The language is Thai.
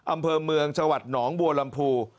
อำเภอเมืองจังหวัดหนองบัวลำพู